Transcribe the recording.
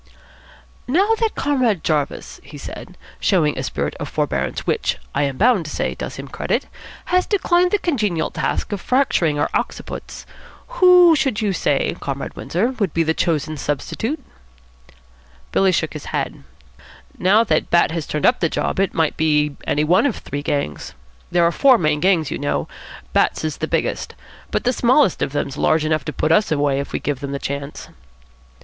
"Now that Comrade Jarvis," he said, "showing a spirit of forbearance which, I am bound to say, does him credit, has declined the congenial task of fracturing our occiputs, who should you say, Comrade Windsor, would be the chosen substitute?" Billy shook his head. "Now that Bat has turned up the job, it might be any one of three gangs. There are four main gangs, you know. Bat's is the biggest. But the smallest of them's large enough to put us away, if we give them the chance."